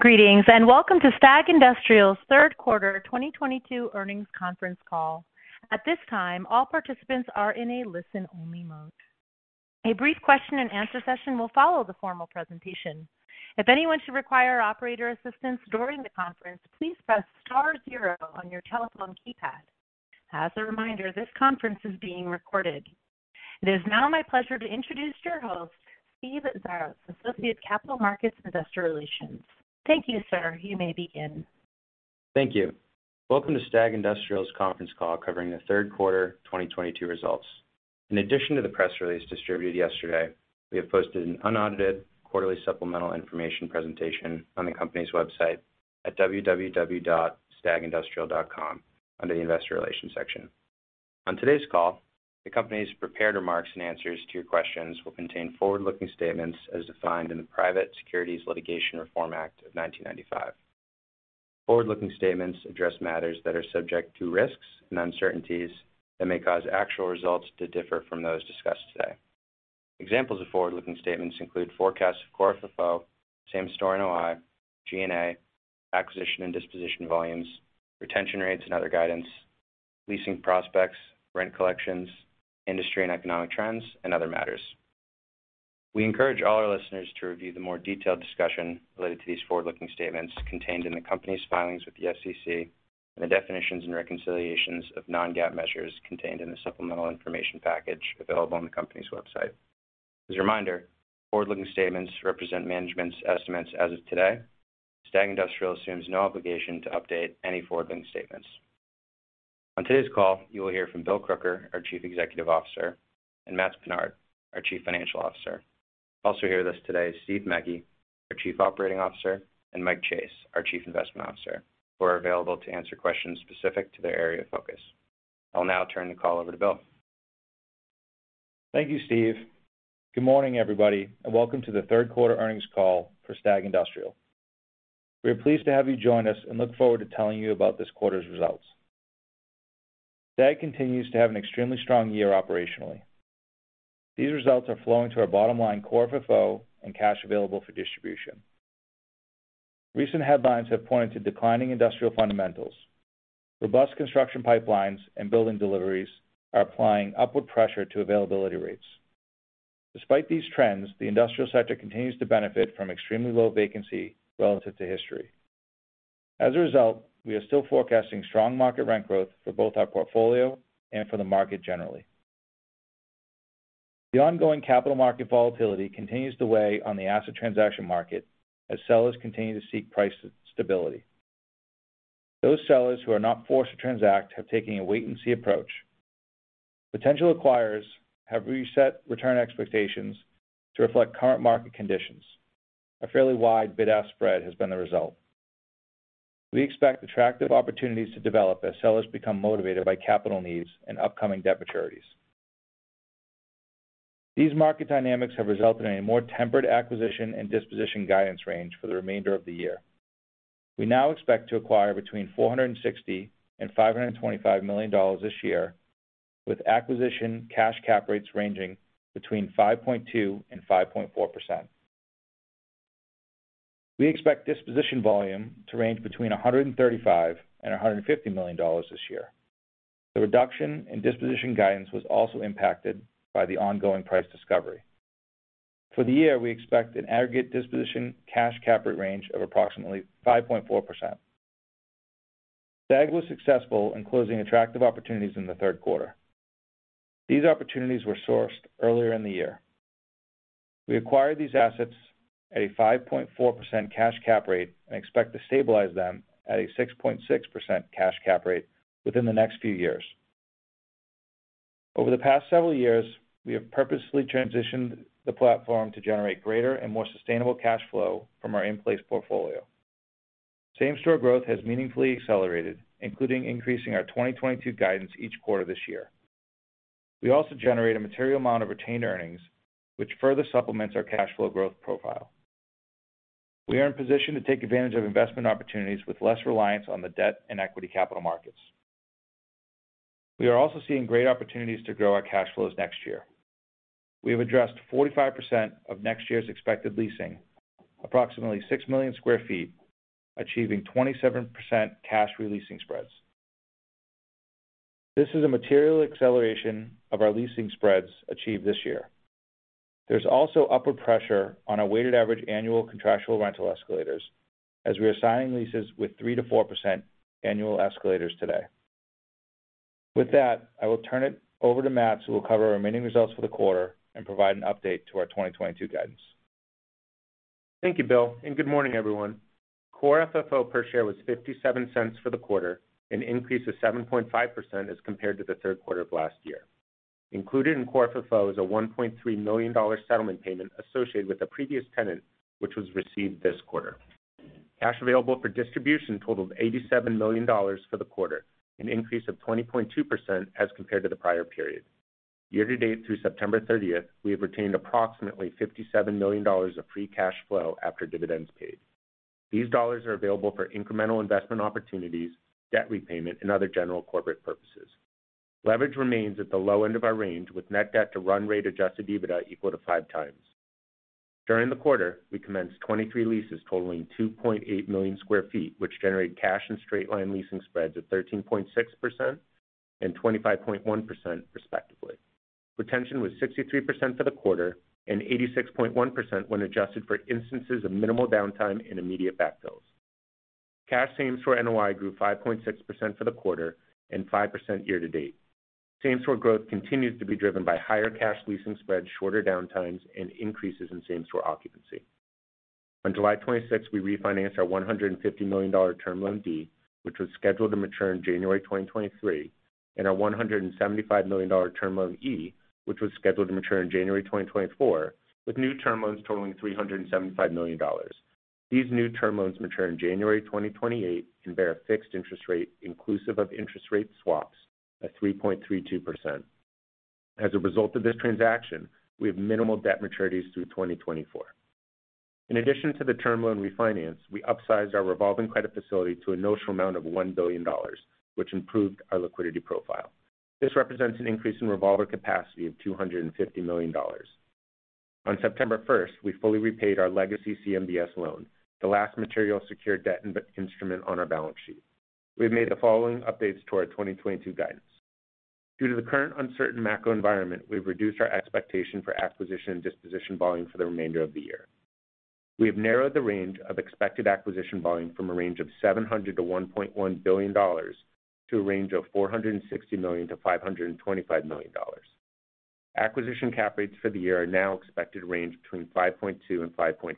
Greetings, and welcome to STAG Industrial's third quarter 2022 earnings conference call. At this time, all participants are in a listen-only mode. A brief question and answer session will follow the formal presentation. If anyone should require operator assistance during the conference, please press star zero on your telephone keypad. As a reminder, this conference is being recorded. It is now my pleasure to introduce your host, Steve Xiarhos, Vice President of Investor Relations. Thank you, sir. You may begin. Thank you. Welcome to STAG Industrial's conference call covering the third quarter 2022 results. In addition to the press release distributed yesterday, we have posted an unaudited quarterly supplemental information presentation on the company's website at www.stagindustrial.com under the investor relations section. On today's call, the company's prepared remarks and answers to your questions will contain forward-looking statements as defined in the Private Securities Litigation Reform Act of 1995. Forward-looking statements address matters that are subject to risks and uncertainties that may cause actual results to differ from those discussed today. Examples of forward-looking statements include forecasts of core FFO, same-store NOI, G&A, acquisition and disposition volumes, retention rates and other guidance, leasing prospects, rent collections, industry and economic trends, and other matters. We encourage all our listeners to review the more detailed discussion related to these forward-looking statements contained in the company's filings with the SEC and the definitions and reconciliations of non-GAAP measures contained in the supplemental information package available on the company's website. As a reminder, forward-looking statements represent management's estimates as of today. STAG Industrial assumes no obligation to update any forward-looking statements. On today's call, you will hear from Bill Crooker, our Chief Executive Officer, and Matt Pinard, our Chief Financial Officer. Also here with us today is Steve Meggy, our Chief Operating Officer, and Mike Chase, our Chief Investment Officer, who are available to answer questions specific to their area of focus. I'll now turn the call over to Bill. Thank you, Steve. Good morning, everybody, and welcome to the third quarter earnings call for STAG Industrial. We are pleased to have you join us and look forward to telling you about this quarter's results. STAG continues to have an extremely strong year operationally. These results are flowing to our bottom line Core FFO and cash available for distribution. Recent headlines have pointed to declining industrial fundamentals. Robust construction pipelines and building deliveries are applying upward pressure to availability rates. Despite these trends, the industrial sector continues to benefit from extremely low vacancy relative to history. As a result, we are still forecasting strong market rent growth for both our portfolio and for the market generally. The ongoing capital market volatility continues to weigh on the asset transaction market as sellers continue to seek price stability. Those sellers who are not forced to transact have taken a wait-and-see approach. Potential acquirers have reset return expectations to reflect current market conditions. A fairly wide bid-ask spread has been the result. We expect attractive opportunities to develop as sellers become motivated by capital needs and upcoming debt maturities. These market dynamics have resulted in a more tempered acquisition and disposition guidance range for the remainder of the year. We now expect to acquire between $460 million and $525 million this year, with acquisition cash cap rates ranging between 5.2% and 5.4%. We expect disposition volume to range between $135 million and $150 million this year. The reduction in disposition guidance was also impacted by the ongoing price discovery. For the year, we expect an aggregate disposition Cash Capitalization Rate range of approximately 5.4%. STAG was successful in closing attractive opportunities in the third quarter. These opportunities were sourced earlier in the year. We acquired these assets at a 5.4% Cash Capitalization Rate and expect to stabilize them at a 6.6% Cash Capitalization Rate within the next few years. Over the past several years, we have purposely transitioned the platform to generate greater and more sustainable cash flow from our in-place portfolio. Same-store growth has meaningfully accelerated, including increasing our 2022 guidance each quarter this year. We also generate a material amount of retained earnings, which further supplements our cash flow growth profile. We are in position to take advantage of investment opportunities with less reliance on the debt and equity capital markets. We are also seeing great opportunities to grow our cash flows next year. We have addressed 45% of next year's expected leasing, approximately 6 million sq ft, achieving 27% cash re-leasing spreads. This is a material acceleration of our leasing spreads achieved this year. There's also upward pressure on our weighted average annual contractual rental escalators, as we are signing leases with 3%-4% annual escalators today. With that, I will turn it over to Matt, who will cover our remaining results for the quarter and provide an update to our 2022 guidance. Thank you, Bill, and good morning, everyone. Core FFO per share was $0.57 for the quarter, an increase of 7.5% as compared to the third quarter of last year. Included in core FFO is a $1.3 million dollar settlement payment associated with a previous tenant, which was received this quarter. Cash available for distribution totaled $87 million for the quarter, an increase of 20.2% as compared to the prior period. Year to date through September thirtieth, we have retained approximately $57 million of free cash flow after dividends paid. These dollars are available for incremental investment opportunities, debt repayment, and other general corporate purposes. Leverage remains at the low end of our range with net debt to run rate adjusted EBITDA equal to 5x. During the quarter, we commenced 23 leases totaling 2.8 million sq ft, which generated cash and straight-line leasing spreads of 13.6% and 25.1% respectively. Retention was 63% for the quarter and 86.1% when adjusted for instances of minimal downtime and immediate backfills. Cash same-store NOI grew 5.6% for the quarter and 5% year-to-date. Same-store growth continues to be driven by higher cash leasing spreads, shorter downtimes, and increases in same-store occupancy. On July 26th, we refinanced our $150 million Term Loan D, which was scheduled to mature in January 2023, and our $175 million Term Loan E, which was scheduled to mature in January 2024, with new term loans totaling $375 million. These new term loans mature in January 2028 and bear a fixed interest rate inclusive of interest rate swaps at 3.32%. As a result of this transaction, we have minimal debt maturities through 2024. In addition to the term loan refinance, we upsized our revolving credit facility to a notional amount of $1 billion, which improved our liquidity profile. This represents an increase in revolver capacity of $250 million. On September 1, we fully repaid our legacy CMBS loan, the last material secured debt instrument on our balance sheet. We've made the following updates to our 2022 guidance. Due to the current uncertain macro environment, we've reduced our expectation for acquisition and disposition volume for the remainder of the year. We have narrowed the range of expected acquisition volume from a range of $700 million-$1.1 billion to a range of $460 million-$525 million. Acquisition cap rates for the year are now expected to range between 5.2% and 5.4%.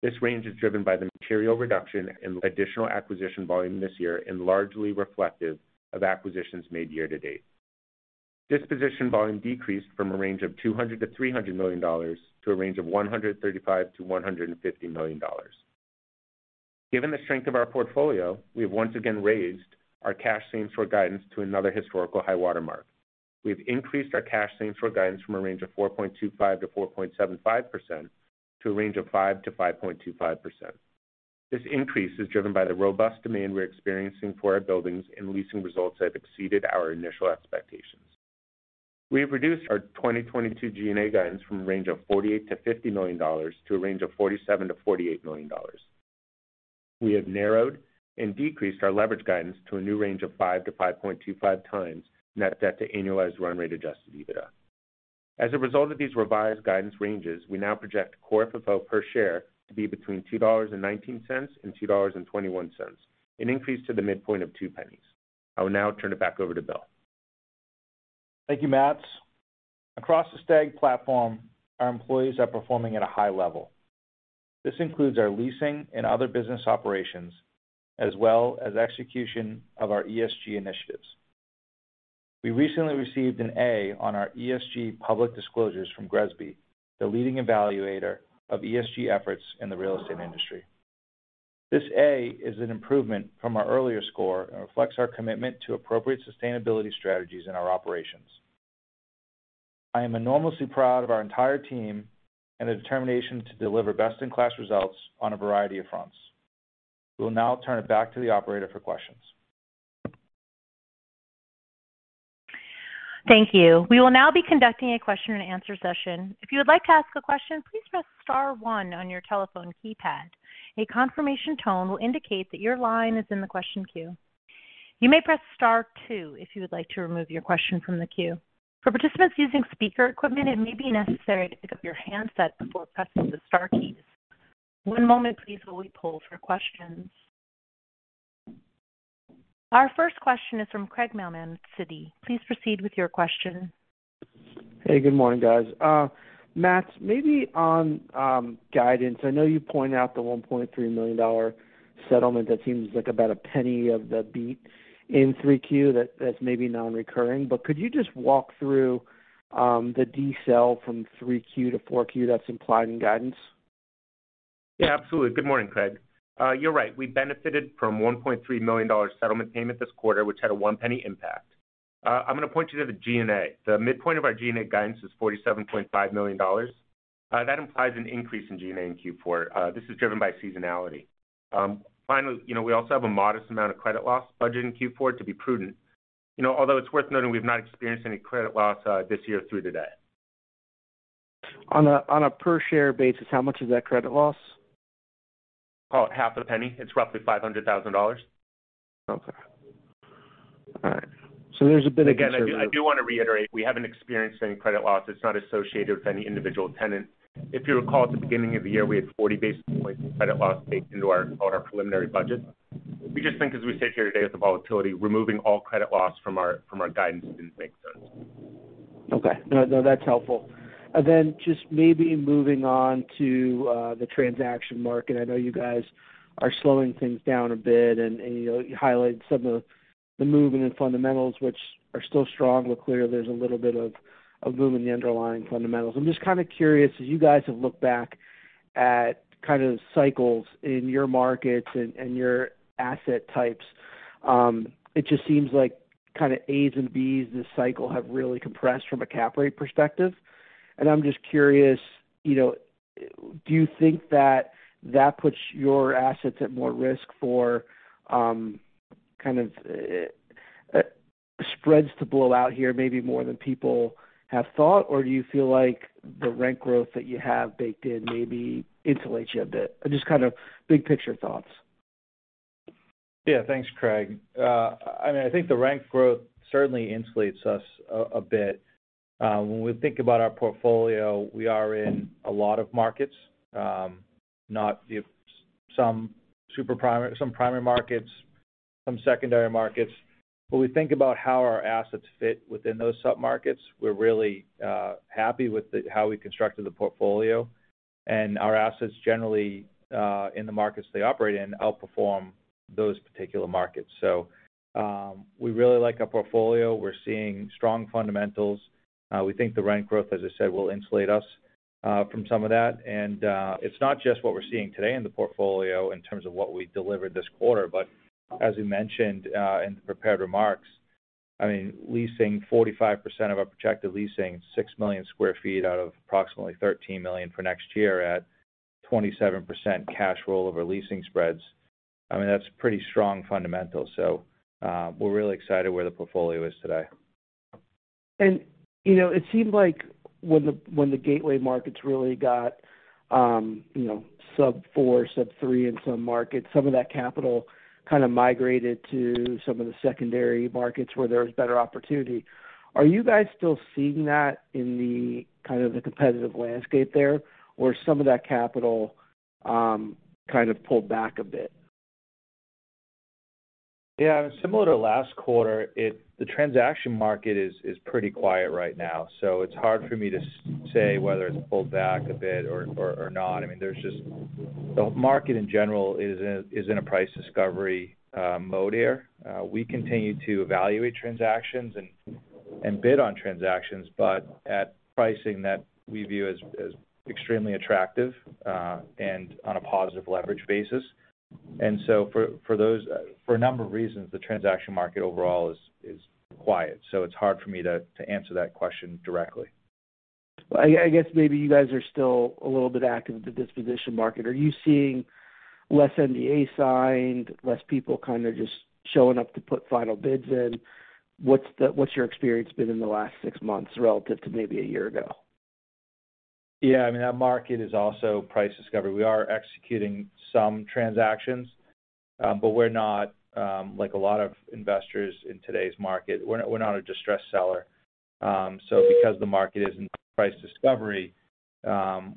This range is driven by the material reduction in additional acquisition volume this year and largely reflective of acquisitions made year to date. Disposition volume decreased from a range of $200 million-$300 million to a range of $135 million-$150 million. Given the strength of our portfolio, we have once again raised our cash same-store for guidance to another historical high water mark. We've increased our cash same-store NOI guidance from a range of 4.25%-4.75% to a range of 5%-5.25%. This increase is driven by the robust demand we're experiencing for our buildings and leasing results that have exceeded our initial expectations. We have reduced our 2022 G&A guidance from a range of $48-$50 million to a range of $47-$48 million. We have narrowed and decreased our leverage guidance to a new range of 5-5.25x net debt to annualized run-rate adjusted EBITDA. As a result of these revised guidance ranges, we now project core FFO per share to be between $2.19 and $2.21, an increase of two cents to the midpoint. I will now turn it back over to Bill. Thank you, Matt. Across the STAG platform, our employees are performing at a high level. This includes our leasing and other business operations as well as execution of our ESG initiatives. We recently received an A on our ESG public disclosures from GRESB, the leading evaluator of ESG efforts in the real estate industry. This A is an improvement from our earlier score and reflects our commitment to appropriate sustainability strategies in our operations. I am enormously proud of our entire team and the determination to deliver best in class results on a variety of fronts. We'll now turn it back to the operator for questions. Thank you. We will now be conducting a question and answer session. If you would like to ask a question, please press star one on your telephone keypad. A confirmation tone will indicate that your line is in the question queue. You may press star two if you would like to remove your question from the queue. For participants using speaker equipment, it may be necessary to pick up your handset before pressing the star keys. One moment please while we pull for questions. Our first question is from Craig Mailman at Citi. Please proceed with your question. Hey, good morning, guys. Matt, maybe on guidance. I know you pointed out the $1.3 million settlement. That seems like about a penny of the beat in 3Q that's maybe non-recurring. Could you just walk through the decel from 3Q to 4Q that's implied in guidance? Yeah, absolutely. Good morning, Craig. You're right, we benefited from $1.3 million dollar settlement payment this quarter, which had a $0.01 impact. I'm gonna point you to the G&A. The midpoint of our G&A guidance is $47.5 million. That implies an increase in G&A in Q4. This is driven by seasonality. Finally, you know, we also have a modest amount of credit loss budget in Q4 to be prudent. You know, although it's worth noting we've not experienced any credit loss this year through today. On a per share basis, how much is that credit loss? About half a penny. It's roughly $500,000. Okay. All right. Again, I do wanna reiterate, we haven't experienced any credit loss. It's not associated with any individual tenant. If you recall, at the beginning of the year, we had 40 basis points in credit loss baked into our preliminary budget. We just think, as we sit here today with the volatility, removing all credit loss from our guidance didn't make sense. Okay. No, no, that's helpful. Just maybe moving on to the transaction market. I know you guys are slowing things down a bit, and you know, you highlighted some of the movement in fundamentals, which are still strong, but clearly there's a little bit of movement in the underlying fundamentals. I'm just kind of curious, as you guys have looked back at kind of cycles in your markets and your asset types, it just seems like kind of A's and B's this cycle have really compressed from a cap rate perspective. I'm just curious, you know, do you think that puts your assets at more risk for kind of spreads to blow out here maybe more than people have thought? Or do you feel like the rent growth that you have baked in maybe insulates you a bit? Just kind of big picture thoughts. Yeah. Thanks, Craig. I mean, I think the rent growth certainly insulates us a bit. When we think about our portfolio, we are in a lot of markets, some primary markets, some secondary markets. When we think about how our assets fit within those sub-markets, we're really happy with how we constructed the portfolio, and our assets generally in the markets they operate in outperform those particular markets. We really like our portfolio. We're seeing strong fundamentals. We think the rent growth, as I said, will insulate us from some of that. It's not just what we're seeing today in the portfolio in terms of what we delivered this quarter, but as we mentioned in the prepared remarks, I mean, leasing 45% of our projected leasing, 6 million sq ft out of approximately 13 million for next year at 27% cash roll over leasing spreads. I mean, that's pretty strong fundamentals, so we're really excited where the portfolio is today. You know, it seemed like when the gateway markets really got, you know, sub-4, sub-3 in some markets, some of that capital kind of migrated to some of the secondary markets where there was better opportunity. Are you guys still seeing that in the kind of competitive landscape there, or is some of that capital, kind of pulled back a bit? Yeah. Similar to last quarter, the transaction market is pretty quiet right now, so it's hard for me to say whether it's pulled back a bit or not. I mean, there's just the market in general is in a price discovery mode here. We continue to evaluate transactions and bid on transactions, but at pricing that we view as extremely attractive and on a positive leverage basis. For those, for a number of reasons, the transaction market overall is quiet. It's hard for me to answer that question directly. I guess maybe you guys are still a little bit active at the disposition market. Are you seeing less NDA signed, less people kind of just showing up to put final bids in? What's your experience been in the last six months relative to maybe a year ago? Yeah. I mean, that market is also price discovery. We are executing some transactions, but we're not, like a lot of investors in today's market. We're not a distressed seller. Because the market is in price discovery,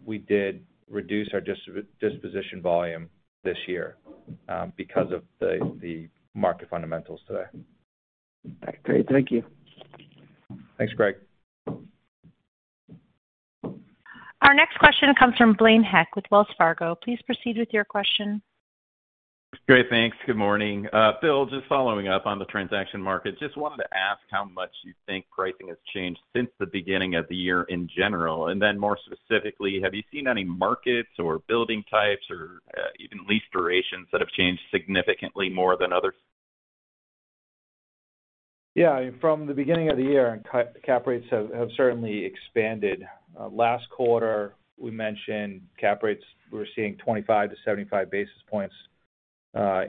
we did reduce our disposition volume this year, because of the market fundamentals today. Great. Thank you. Thanks, Craig. Our next question comes from Blaine Heck with Wells Fargo. Please proceed with your question. Great. Thanks. Good morning, Bill, just following up on the transaction market. Just wanted to ask how much you think pricing has changed since the beginning of the year in general. Then more specifically, have you seen any markets or building types or even lease durations that have changed significantly more than others? Yeah. From the beginning of the year, cap rates have certainly expanded. Last quarter, we mentioned cap rates. We were seeing 25-75 basis points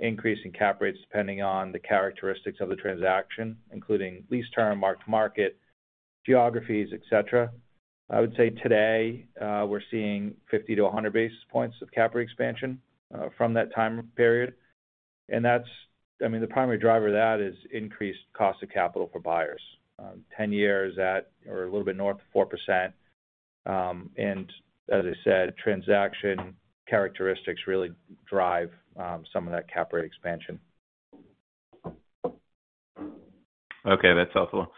increase in cap rates depending on the characteristics of the transaction, including lease term, mark-to-market, geographies, et cetera. I would say today, we're seeing 50-100 basis points of cap rate expansion from that time period. That's. I mean, the primary driver of that is increased cost of capital for buyers. 10 years at or a little bit north of 4%. As I said, transaction characteristics really drive some of that cap rate expansion. Okay, that's helpful.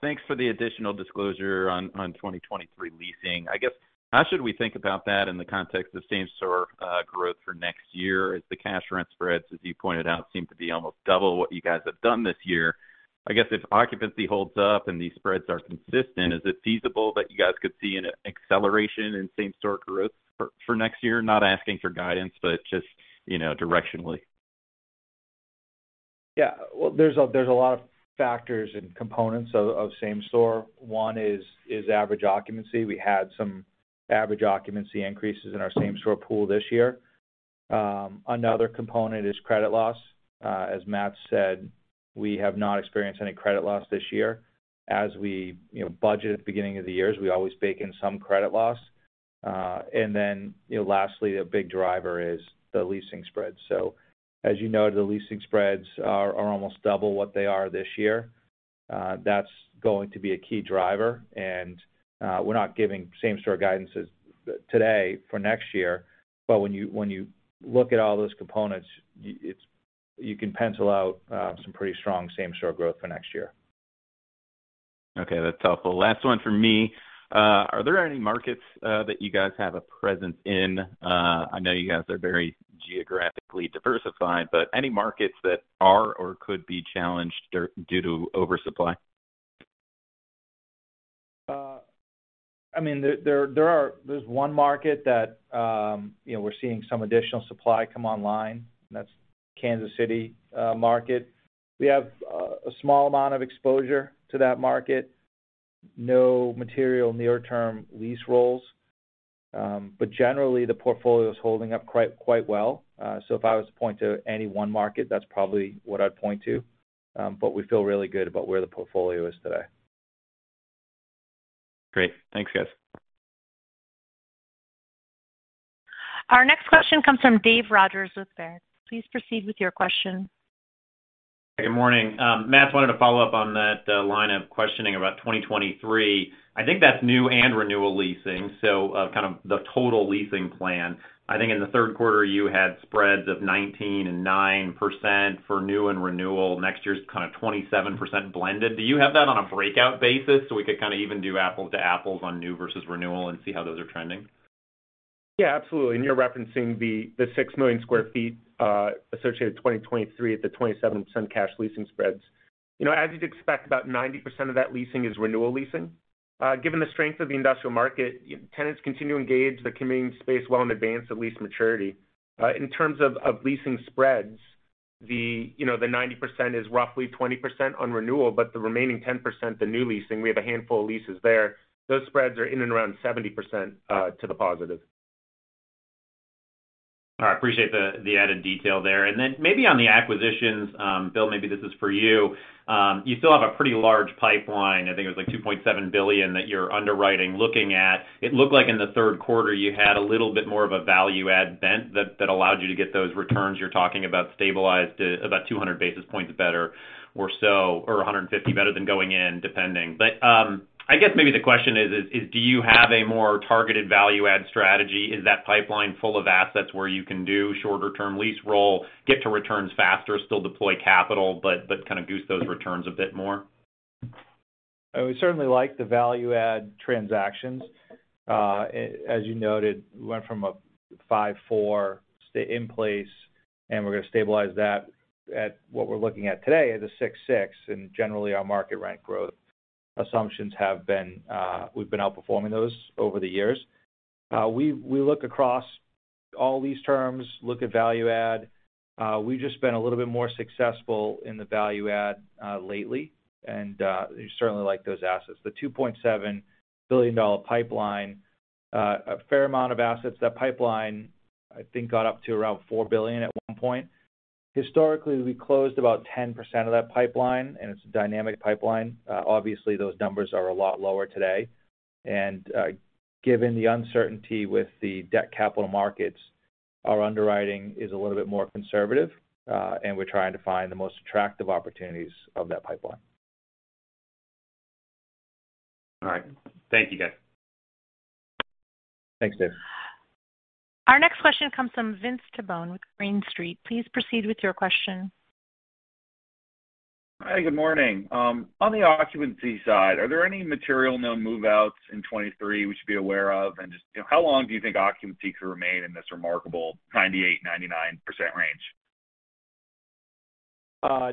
Thanks for the additional disclosure on 2023 leasing. I guess, how should we think about that in the context of same-store growth for next year as the cash rent spreads, as you pointed out, seem to be almost double what you guys have done this year? I guess if occupancy holds up and these spreads are consistent, is it feasible that you guys could see an acceleration in same-store growth for next year? Not asking for guidance, but just, you know, directionally. Yeah. Well, there's a lot of factors and components of same-store. One is average occupancy. We had some average occupancy increases in our same-store pool this year. Another component is credit loss. As Matt said, we have not experienced any credit loss this year. As we budget at the beginning of the years, we always bake in some credit loss. Then, lastly, a big driver is the leasing spreads. As you know, the leasing spreads are almost double what they are this year. That's going to be a key driver. We're not giving same-store guidances today for next year, but when you look at all those components, you can pencil out some pretty strong same-store growth for next year. Okay, that's helpful. Last one from me. Are there any markets that you guys have a presence in? I know you guys are very geographically diversified, but any markets that are or could be challenged due to oversupply? I mean, there is one market that, you know, we're seeing some additional supply come online. That's Kansas City market. We have a small amount of exposure to that market. No material near-term lease rolls. But generally, the portfolio is holding up quite well. So if I was to point to any one market, that's probably what I'd point to. But we feel really good about where the portfolio is today. Great. Thanks, guys. Our next question comes from Dave Rodgers with Baird. Please proceed with your question. Good morning. Matt, I wanted to follow up on that line of questioning about 2023. I think that's new and renewal leasing, so kind of the total leasing plan. I think in the third quarter, you had spreads of 19% and 9% for new and renewal. Next year's kind of 27% blended. Do you have that on a breakout basis, so we could kinda even do apples to apples on new versus renewal and see how those are trending? Yeah, absolutely. You're referencing the 6 million sq ft associated with 2023 at the 27% cash leasing spreads. You know, as you'd expect, about 90% of that leasing is renewal leasing. Given the strength of the industrial market, tenants continue to commit to space well in advance of lease maturity. In terms of leasing spreads, you know, the 90% is roughly 20% on renewal, but the remaining 10%, the new leasing, we have a handful of leases there. Those spreads are in and around 70% to the positive. All right. Appreciate the added detail there. Maybe on the acquisitions, Bill, maybe this is for you. You still have a pretty large pipeline, I think it was like $2.7 billion that you're underwriting looking at. It looked like in the third quarter you had a little bit more of a value add bent that allowed you to get those returns you're talking about stabilized to about 200 basis points better or so, or 150 better than going in, depending. I guess maybe the question is, do you have a more targeted value add strategy? Is that pipeline full of assets where you can do shorter term lease roll, get to returns faster, still deploy capital, but kind of goose those returns a bit more? We certainly like the value add transactions. As you noted, we went from a 5.4 stay in place, and we're gonna stabilize that at what we're looking at today is a 6.6, and generally, our market rent growth assumptions have been, we've been outperforming those over the years. We look across all lease terms, look at value add. We've just been a little bit more successful in the value add lately, and we certainly like those assets. The $2.7 billion pipeline, a fair amount of assets. That pipeline, I think, got up to around $4 billion at one point. Historically, we closed about 10% of that pipeline, and it's a dynamic pipeline. Obviously, those numbers are a lot lower today. Given the uncertainty with the debt capital markets, our underwriting is a little bit more conservative, and we're trying to find the most attractive opportunities of that pipeline. All right. Thank you, guys. Thanks, Dave. Our next question comes from Vince Tibone with Green Street. Please proceed with your question. Hi, good morning. On the occupancy side, are there any material known move-outs in 2023 we should be aware of? Just, you know, how long do you think occupancy could remain in this remarkable 98%-99% range?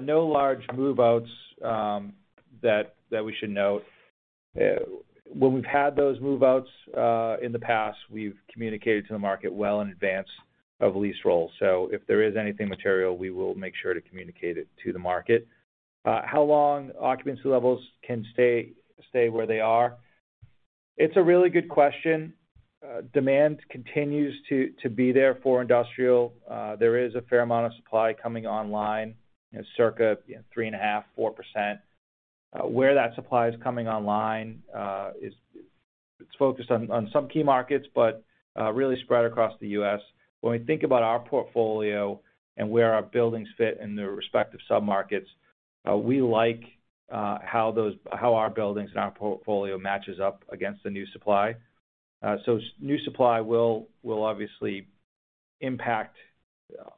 No large move-outs that we should note. When we've had those move-outs in the past, we've communicated to the market well in advance of lease roll. If there is anything material, we will make sure to communicate it to the market. How long can occupancy levels stay where they are? It's a really good question. Demand continues to be there for industrial. There is a fair amount of supply coming online, you know, circa 3.5%-4%. Where that supply is coming online is. It's focused on some key markets, but really spread across the U.S. When we think about our portfolio and where our buildings fit in the respective submarkets, we like how our buildings and our portfolio matches up against the new supply. New supply will obviously impact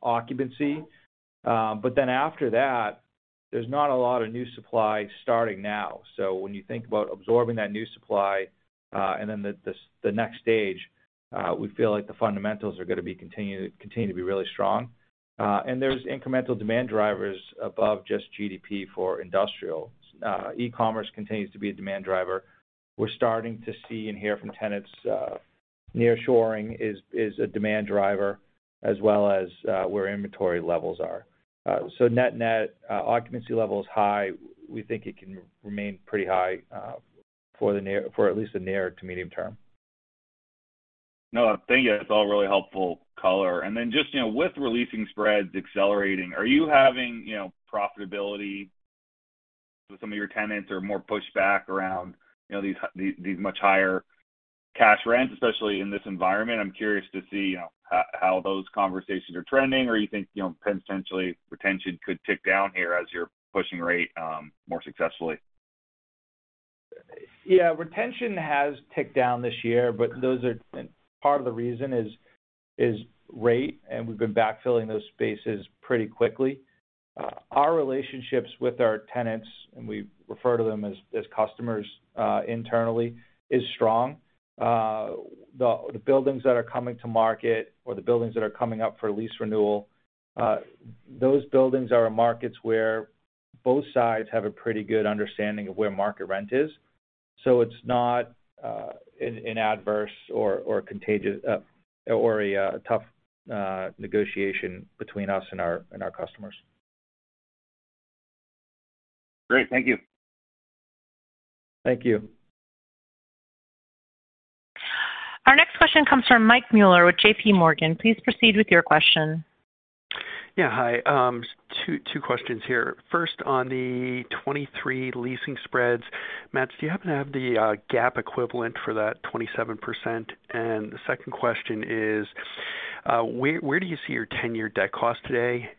occupancy. After that, there's not a lot of new supply starting now. When you think about absorbing that new supply, and then the next stage, we feel like the fundamentals are gonna continue to be really strong. There's incremental demand drivers above just GDP for industrial. E-commerce continues to be a demand driver. We're starting to see and hear from tenants, nearshoring is a demand driver as well as where inventory levels are. Net-net, occupancy level is high. We think it can remain pretty high for at least the near to medium term. No, thank you. It's all really helpful color. Then just, you know, with leasing spreads accelerating, are you having, you know, profitability with some of your tenants or more pushback around, you know, these much higher cash rents, especially in this environment? I'm curious to see, you know, how those conversations are trending or you think, you know, potentially retention could tick down here as you're pushing rate more successfully. Yeah. Retention has ticked down this year, but part of the reason is rate, and we've been backfilling those spaces pretty quickly. Our relationships with our tenants, and we refer to them as customers internally, is strong. The buildings that are coming to market or the buildings that are coming up for lease renewal, those buildings are in markets where both sides have a pretty good understanding of where market rent is. So it's not an adverse or contentious or a tough negotiation between us and our customers. Great. Thank you. Thank you. Our next question comes from Michael Mueller with JP Morgan. Please proceed with your question. Yeah, hi. Two questions here. First, on the 2023 leasing spreads. Matt, do you happen to have the GAAP equivalent for that 27%? The second question is, where do you see your 10-year debt cost today?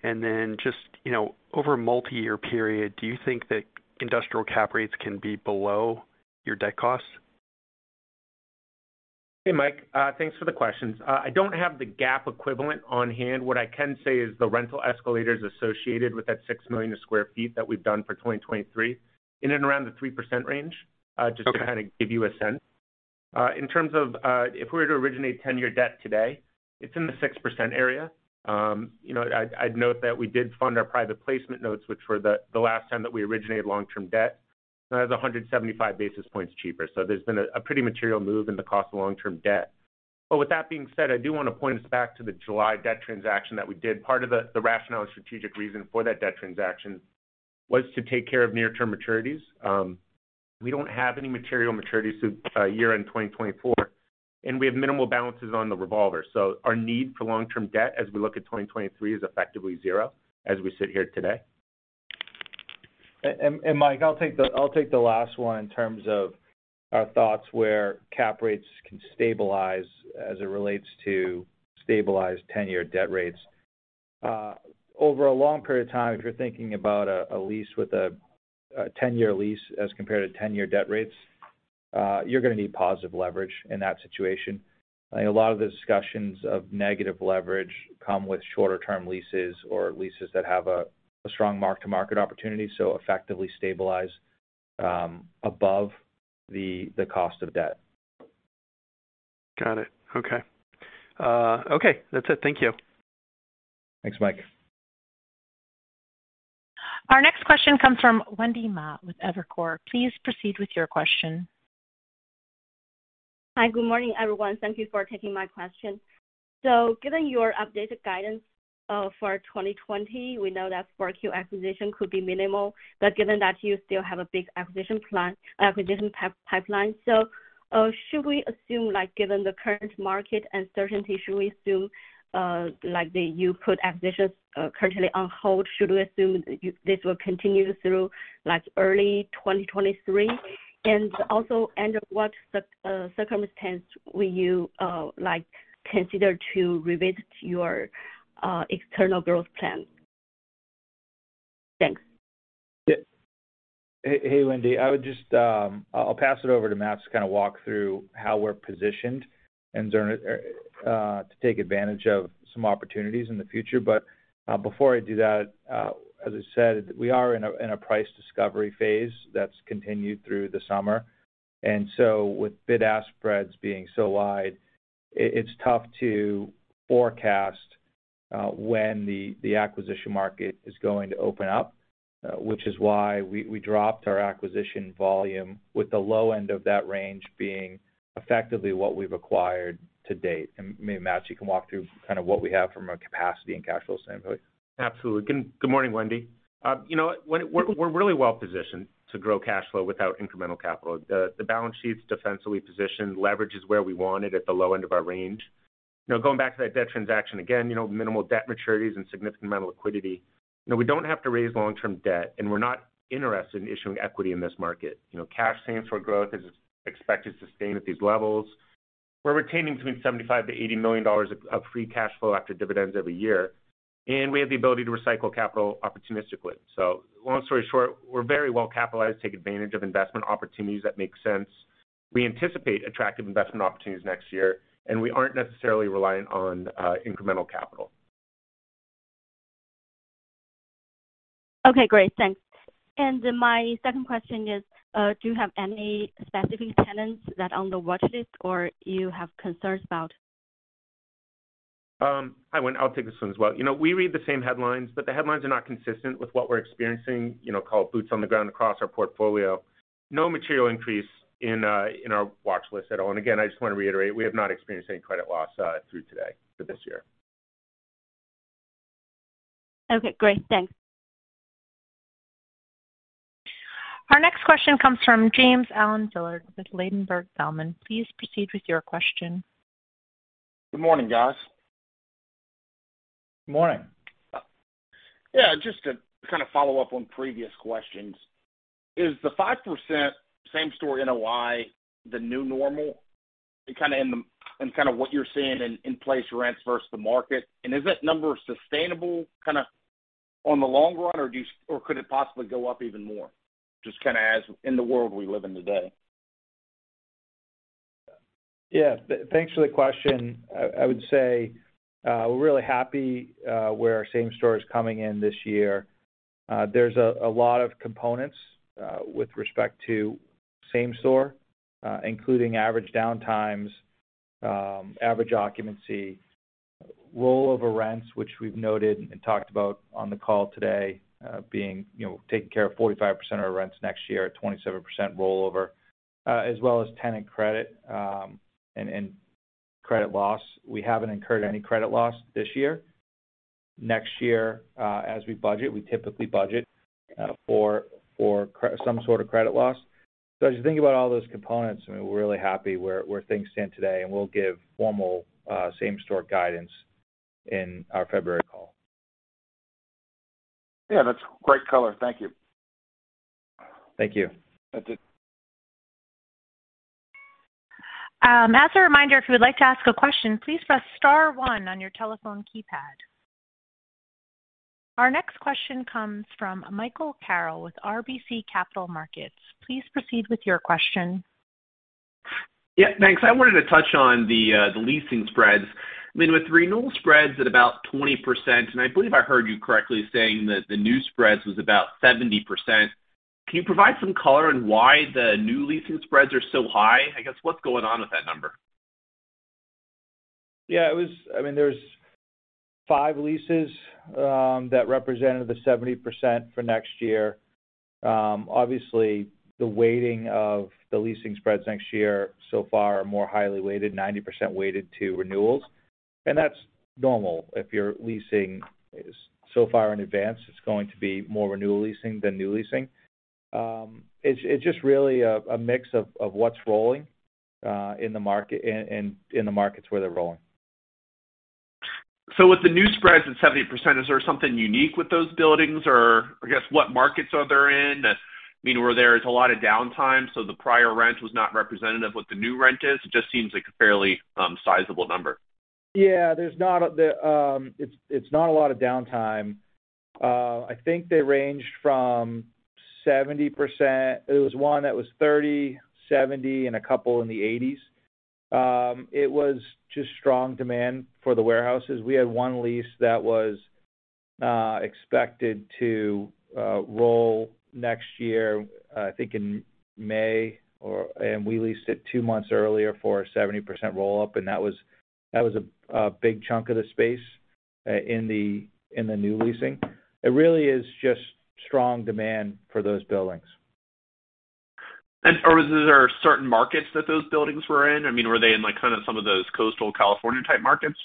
Just, you know, over a multi-year period, do you think that industrial cap rates can be below your debt costs? Hey, Mike, thanks for the questions. I don't have the GAAP equivalent on hand. What I can say is the rental escalators associated with that 6 million sq ft that we've done for 2023 in and around the 3% range. Okay. Just to kind of give you a sense. In terms of, if we were to originate ten-year debt today, it's in the 6% area. You know, I'd note that we did fund our private placement notes, which were the last time that we originated long-term debt, is 175 basis points cheaper. There's been a pretty material move in the cost of long-term debt. With that being said, I do wanna point us back to the July debt transaction that we did. Part of the rationale and strategic reason for that debt transaction was to take care of near-term maturities. We don't have any material maturities through year-end 2024, and we have minimal balances on the revolver. Our need for long-term debt as we look at 2023 is effectively 0 as we sit here today. Mike, I'll take the last one in terms of our thoughts where cap rates can stabilize as it relates to stabilized 10-year debt rates. Over a long period of time, if you're thinking about a lease with a 10-year lease as compared to 10-year debt rates, you're gonna need positive leverage in that situation. A lot of the discussions of negative leverage come with shorter term leases or leases that have a strong mark-to-market opportunity, so effectively stabilize above the cost of debt. Got it. Okay. That's it. Thank you. Thanks, Mike. Our next question comes from Wendy Ma with Evercore. Please proceed with your question. Hi. Good morning, everyone. Thank you for taking my question. Given your updated guidance for 2020, we know that 4Q acquisition could be minimal, but given that you still have a big acquisition pipeline, should we assume like given the current market uncertainty, should we assume like that you put acquisitions currently on hold, should we assume this will continue through like early 2023? And also under what circumstance will you like consider to revisit your external growth plan? Thanks. Hey, Wendy. I would just, I'll pass it over to Matt to kind of walk through how we're positioned and to take advantage of some opportunities in the future. Before I do that, as I said, we are in a price discovery phase that's continued through the summer. With bid-ask spreads being so wide, it's tough to forecast when the acquisition market is going to open up, which is why we dropped our acquisition volume with the low end of that range being effectively what we've acquired to date. Maybe, Matt, you can walk through kind of what we have from a capacity and cash flow standpoint. Absolutely. Good morning, Wendy. You know, we're really well positioned to grow cash flow without incremental capital. The balance sheet's defensively positioned. Leverage is where we want it at the low end of our range. You know, going back to that debt transaction, again, you know, minimal debt maturities and significant amount of liquidity. You know, we don't have to raise long-term debt, and we're not interested in issuing equity in this market. You know, cash flow growth is expected to sustain at these levels. We're retaining between $75 million-$80 million of free cash flow after dividends every year, and we have the ability to recycle capital opportunistically. Long story short, we're very well capitalized to take advantage of investment opportunities that make sense. We anticipate attractive investment opportunities next year, and we aren't necessarily reliant on incremental capital. Okay, great. Thanks. My second question is, do you have any specific tenants that are on the watch list or you have concerns about? Hi, Wendy. I'll take this one as well. You know, we read the same headlines, but the headlines are not consistent with what we're experiencing, you know, called boots on the ground across our portfolio. No material increase in our watch list at all. Again, I just wanna reiterate, we have not experienced any credit loss through today for this year. Okay, great. Thanks. Our next question comes from James Allen Dillard with Ladenburg Thalmann. Please proceed with your question. Good morning, guys. Good morning. Yeah, just to kind of follow up on previous questions. Is the 5% same-store NOI the new normal? Kinda what you're seeing in in-place rents versus the market. Is that number sustainable kinda on the long run or could it possibly go up even more, just kinda as in the world we live in today? Yeah. Thanks for the question. I would say, we're really happy where our same-store is coming in this year. There's a lot of components with respect to same-store, including average downtimes, average occupancy, rollover rents, which we've noted and talked about on the call today, being you know taking care of 45% of our rents next year, 27% rollover, as well as tenant credit, and credit loss. We haven't incurred any credit loss this year. Next year, as we budget, we typically budget for some sort of credit loss. As you think about all those components, I mean, we're really happy where things stand today, and we'll give formal same-store guidance in our February call. Yeah, that's great color. Thank you. Thank you. That's it. As a reminder, if you would like to ask a question, please press star one on your telephone keypad. Our next question comes from Michael Carroll with RBC Capital Markets. Please proceed with your question. Yeah, thanks. I wanted to touch on the leasing spreads. I mean, with renewal spreads at about 20%, and I believe I heard you correctly saying that the new spreads was about 70%. Can you provide some color on why the new leasing spreads are so high? I guess, what's going on with that number? Yeah, it was. I mean, there's 5 leases that represented the 70% for next year. Obviously, the weighting of the leasing spreads next year so far are more highly weighted, 90% weighted to renewals. That's normal if you're leasing so far in advance, it's going to be more renewal leasing than new leasing. It's just really a mix of what's rolling in the markets where they're rolling. With the new spreads at 70%, is there something unique with those buildings or, I guess, what markets are they in? I mean, where there is a lot of downtime, so the prior rent was not representative what the new rent is. It just seems like a fairly, sizable number. Yeah. It's not a lot of downtime. It's not a lot of downtime. I think they ranged from 70%. There was one that was 30, 70, and a couple in the 80s. It was just strong demand for the warehouses. We had one lease that was expected to roll next year, I think in May and we leased it two months earlier for a 70% roll-up, and that was a big chunk of the space in the new leasing. It really is just strong demand for those buildings. was there certain markets that those buildings were in? I mean, were they in like kind of some of those coastal California-type markets?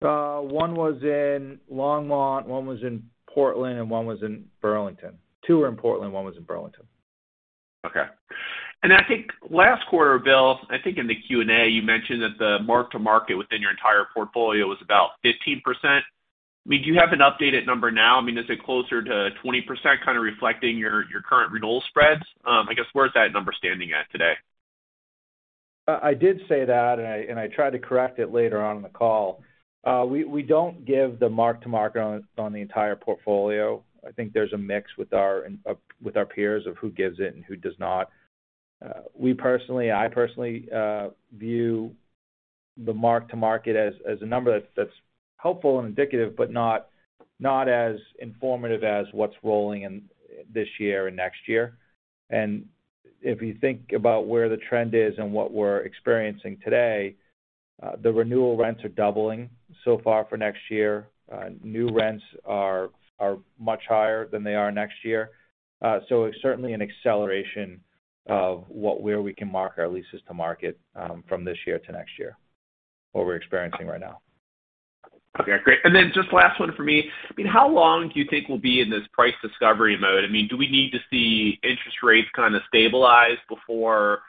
One was in Longmont, 1 was in Portland, and 1 was in Burlington. 2 were in Portland, 1 was in Burlington. Okay. I think last quarter, Bill, I think in the Q&A, you mentioned that the mark-to-market within your entire portfolio was about 15%. I mean, do you have an updated number now? I mean, is it closer to 20%, kind of reflecting your current renewal spreads? I guess, where is that number standing at today? I did say that, and I tried to correct it later on in the call. We don't give the mark-to-market on the entire portfolio. I think there's a mix-up with our peers of who gives it and who does not. I personally view the mark-to-market as a number that's helpful and indicative, but not as informative as what's rolling in this year and next year. If you think about where the trend is and what we're experiencing today, the renewal rents are doubling so far for next year. New rents are much higher than they were this year. So certainly an acceleration of where we can mark our leases to market from this year to next year, what we're experiencing right now. Okay, great. Then just last one for me, I mean, how long do you think we'll be in this price discovery mode? I mean, do we need to see interest rates kind of stabilize before,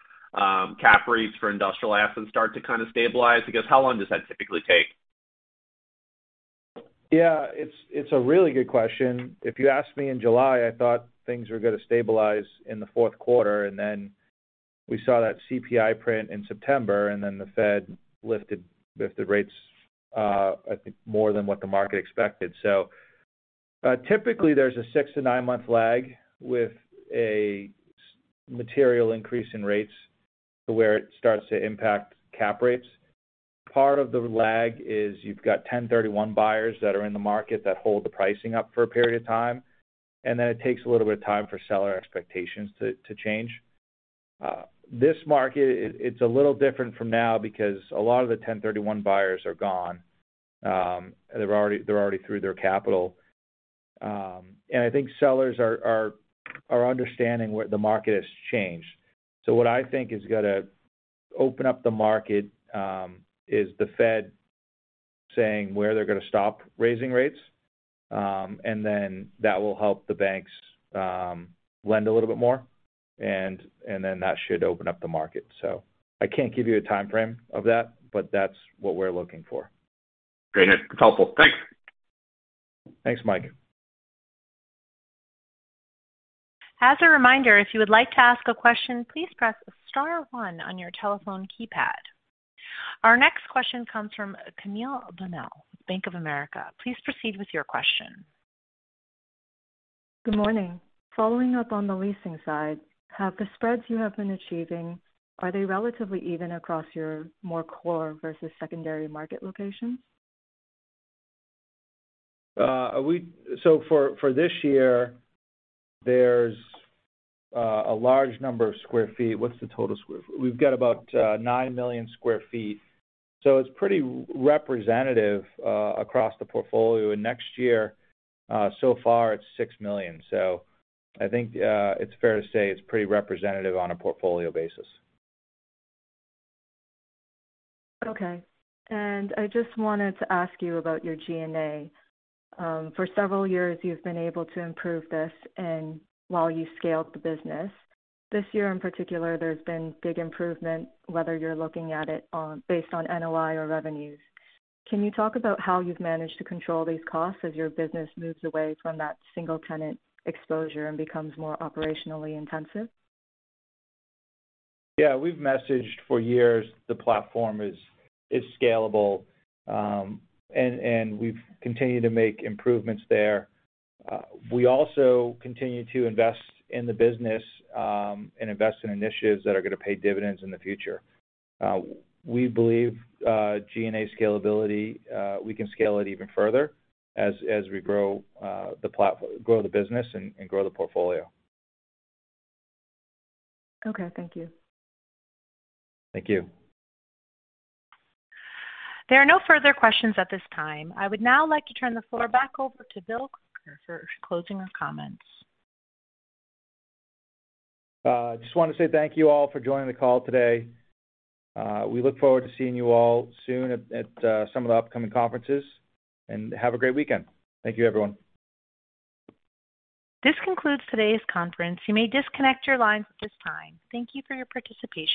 cap rates for industrial assets start to kind of stabilize? I guess, how long does that typically take? Yeah. It's a really good question. If you asked me in July, I thought things were gonna stabilize in the fourth quarter, and then we saw that CPI print in September, and then the Fed lifted rates, I think more than what the market expected. Typically there's a 6-9-month lag with a material increase in rates to where it starts to impact cap rates. Part of the lag is you've got ten thirty-one buyers that are in the market that hold the pricing up for a period of time, and then it takes a little bit of time for seller expectations to change. This market is a little different now because a lot of the ten thirty-one buyers are gone. They're already through their capital. I think sellers are understanding where the market has changed. What I think is gonna open up the market is the Fed saying where they're gonna stop raising rates, and then that will help the banks lend a little bit more and then that should open up the market. I can't give you a timeframe of that, but that's what we're looking for. Great. That's helpful. Thanks. Thanks, Mike. As a reminder, if you would like to ask a question, please press star one on your telephone keypad. Our next question comes from Camille Bonnell, Bank of America. Please proceed with your question. Good morning. Following up on the leasing side, have the spreads you have been achieving, are they relatively even across your more core versus secondary market locations? For this year, there's a large number of square feet. We've got about 9 million sq ft. It's pretty representative across the portfolio. Next year, so far it's 6 million. I think it's fair to say it's pretty representative on a portfolio basis. Okay. I just wanted to ask you about your G&A. For several years, you've been able to improve this and while you scaled the business. This year in particular, there's been big improvement, whether you're looking at it based on NOI or revenues. Can you talk about how you've managed to control these costs as your business moves away from that single tenant exposure and becomes more operationally intensive? Yeah. We've messaged for years the platform is scalable. We've continued to make improvements there. We also continue to invest in the business and invest in initiatives that are gonna pay dividends in the future. We believe G&A scalability. We can scale it even further as we grow the business and grow the portfolio. Okay, thank you. Thank you. There are no further questions at this time. I would now like to turn the floor back over to Bill Crooker for closing comments. Just wanna say thank you all for joining the call today. We look forward to seeing you all soon at some of the upcoming conferences. Have a great weekend. Thank you, everyone. This concludes today's conference. You may disconnect your lines at this time. Thank you for your participation.